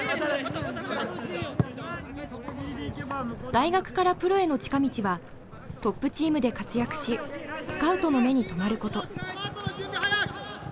大学からプロへの近道はトップチームで活躍しスカウトの目に留まること。